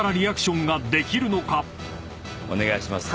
お願いします。